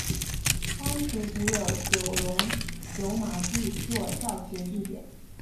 当时只有九龙油麻地作教学地点。